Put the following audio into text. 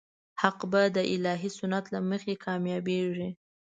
حق به د الهي سنت له مخې کامیابېږي.